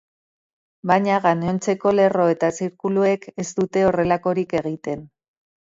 Baina gainontzeko lerro eta zirkuluek ez dute horrelakorik egiten.